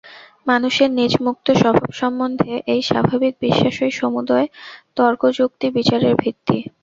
মানুষের নিজ মুক্ত স্বভাব সম্বন্ধে এই স্বাভাবিক বিশ্বাসই সমুদয় তর্ক যুক্তি বিচারের ভিত্তি।